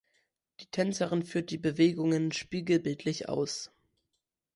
Die Tänzerin führt die Bewegungen spiegelbildlich aus.